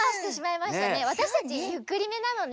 わたしたちゆっくりめなのね。